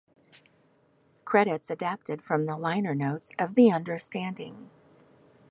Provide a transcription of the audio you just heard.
Credits adapted from the liner notes of "The Understanding".